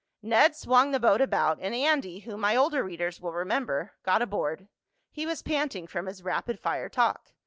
Ned swung the boat about, and Andy, whom my older readers will remember, got aboard. He was panting from his rapid fire talk.